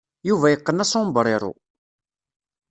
Yuba yeqqen asombrero.